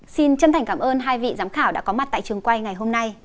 xin chân thành cảm ơn hai vị giám khảo đã có mặt tại trường quay ngày hôm nay